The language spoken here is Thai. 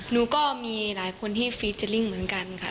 หนูก็มีหลายคนที่ฟีเจอร์ลิ่งเหมือนกันค่ะ